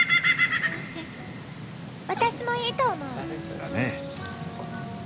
私もいいと思う。だね。